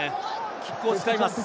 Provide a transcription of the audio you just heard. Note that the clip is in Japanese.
キックを使います。